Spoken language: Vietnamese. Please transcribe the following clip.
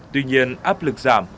tuy nhiên áp lực giảm